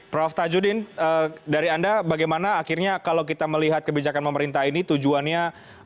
prof tajudin dari anda bagaimana akhirnya kalau kita melihat kebijakan pemerintah ini tujuannya